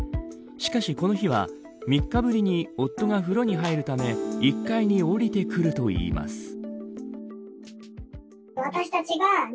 しかしこの日は、３日ぶりに夫が風呂に入るため１階に降りてくるといいます。